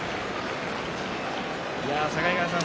境川さん